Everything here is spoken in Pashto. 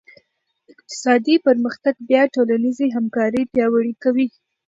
اقتصادي پرمختګ بیا ټولنیزې همکارۍ پیاوړې کوي.